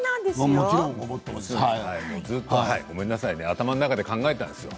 ごめんなさいね頭の中で考えたんですよ